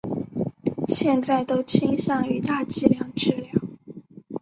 现在都倾向于大剂量治疗。